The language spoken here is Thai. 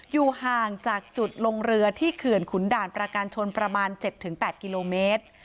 อยู่ห่างจากจุดลงเรือที่เขื่อนขุนด่านประการชนประมาณ๗๘กิโลเมตร